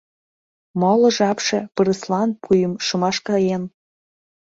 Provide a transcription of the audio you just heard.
Моло жапше пырыслан пӱйым шумаш каен.